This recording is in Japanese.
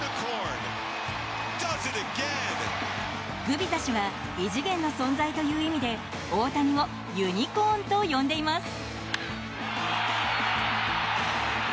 グビザ氏は異次元の存在という意味で大谷をユニコーンと呼んでいます。